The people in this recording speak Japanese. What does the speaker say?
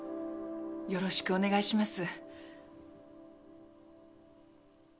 よろしくお願いします。